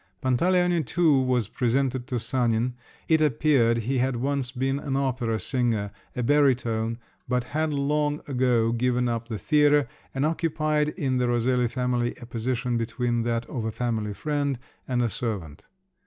Pantaleone too was presented to Sanin. It appeared he had once been an opera singer, a baritone, but had long ago given up the theatre, and occupied in the Roselli family a position between that of a family friend and a servant.